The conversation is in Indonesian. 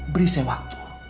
beri saya waktu